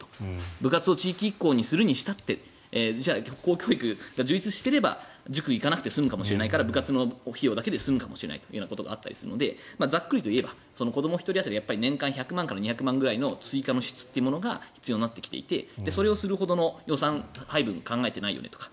部活を地域移行するにしてもじゃあ、公教育が充実していれば塾に行かなくて済むから部活の費用だけで済むかもしれないとなるのでざっくりと言えば子ども１人当たり年間１００万から２００万くらいの支出が必要になってきてそれをやるくらいの予算配分を考えていないよねとか。